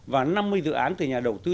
và năm mươi dự án từ nhà đầu tư